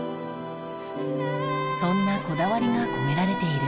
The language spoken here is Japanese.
そんなこだわりが込められている